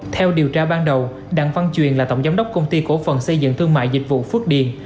theo điều tra ban đầu đặng văn truyền là tổng giám đốc công ty cổ phần xây dựng thương mại dịch vụ phước điền